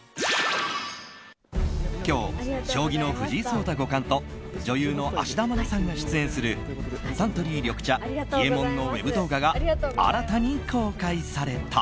今日、将棋の藤井聡太五冠と女優の芦田愛菜さんが出演するサントリー緑茶伊右衛門のウェブ動画が新たに公開された。